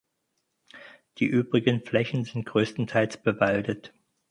Die übrigen Flächen sind größtenteils bewaldet.